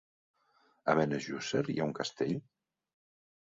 A Benejússer hi ha un castell?